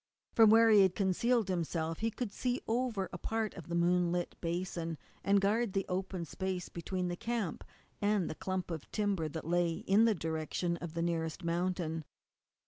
From where he had concealed himself he could see over a part of the moonlit basin, and guard the open space between the camp and the clump of timber that lay in the direction of the nearest mountain.